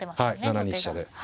７二飛車で。